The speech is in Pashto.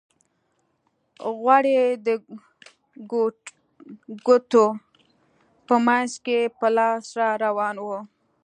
غوړ یې د ګوتو په منځ کې په لاس را روان وو.